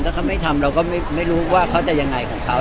ถ้าเขาไม่ทำเราก็ไม่รู้ว่าเขาจะยังไงของเขา